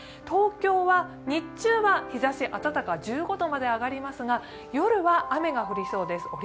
東京は日中は日ざし、暖か、１５度まで上がりますが夜は雨が降りそうです。